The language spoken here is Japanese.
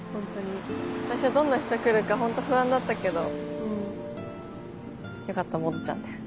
最初どんな人来るか本当不安だったけどよかった百舌ちゃんで。